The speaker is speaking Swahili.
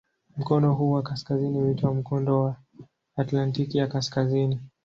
Mkono huu wa kaskazini huitwa "Mkondo wa Atlantiki ya Kaskazini".